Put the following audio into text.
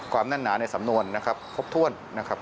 ความแน่นหนาในสำนวนครบถ้วน